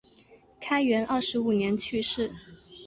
开元二十五年去世。